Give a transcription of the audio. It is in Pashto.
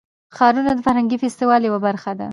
ښارونه د فرهنګي فستیوالونو یوه برخه ده.